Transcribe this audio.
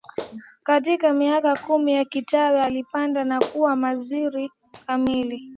Katika miaka kumi ya Kikwete alipanda na kuwa waziri kamili